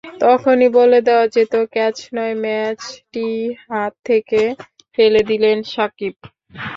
তখনই বলে দেওয়া যেত, ক্যাচ নয়, ম্যাচটিই হাত থেকে ফেলে দিলেন সাকিব।